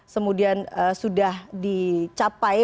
semudian sudah dicapai